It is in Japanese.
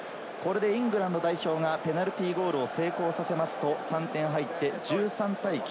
イングランド代表がペナルティーゴールを成功させると３点入って１３対９。